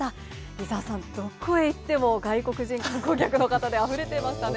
伊沢さん、どこへ行っても外国人観光客の方であふれていましたね。